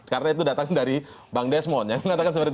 karena itu datang dari bang desmond